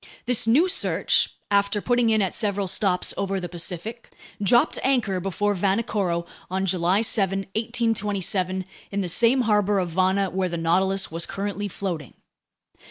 This new Search, after putting in at several stops over the Pacific, dropped anchor before Vanikoro on July 7, 1827, in the same harbor of Vana where the Nautilus was currently floating.